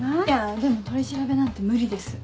でも取り調べなんて無理です。